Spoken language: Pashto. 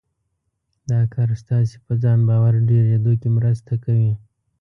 دا کار ستاسې په ځان باور ډېرېدو کې مرسته کوي.